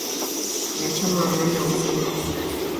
na chama hawana uhusiano na siasa